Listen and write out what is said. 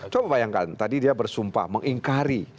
coba bayangkan tadi dia bersumpah mengingkari